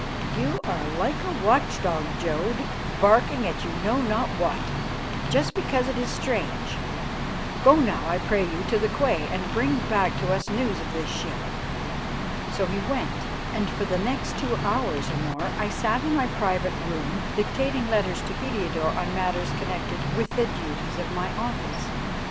"You are like a watchdog, Jodd, barking at you know not what, just because it is strange. Go now, I pray you, to the quay, and bring back to us news of this ship." So he went, and for the next two hours or more I sat in my private room dictating letters to Heliodore on matters connected with the duties of my office.